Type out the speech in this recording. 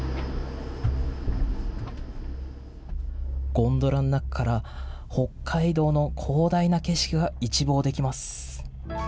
ゴンドラの中から北海道の広大な景色が一望できます。